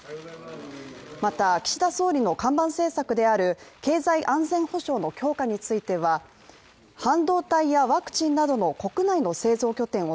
また、岸田総理の看板政策である経済安全保障の強化については、半導体やワクチンなどの国内の製造拠点を